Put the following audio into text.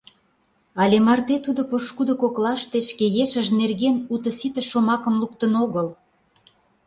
Але марте тудо пошкудо коклаште шке ешыж нерген уто-сите шомакым луктын огыл.